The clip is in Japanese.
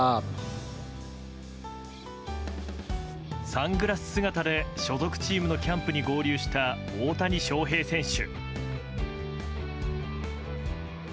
サングラス姿で所属チームのキャンプに合流した大谷翔平選手。